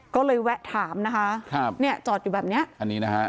ก็เลยแวะถามนะคะครับเนี่ยจอดอยู่แบบเนี้ยอันนี้นะฮะ